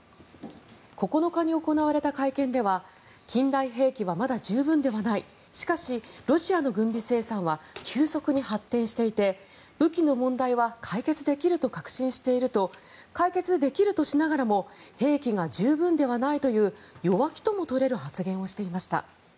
９日に行われた会見では近代兵器はまだ十分ではないしかし、ロシアの軍備生産は急速に発展していて武器の問題は解決できると確信していると解決できるとしながらも兵器が十分ではないという弱気とも取れる発言をしていました。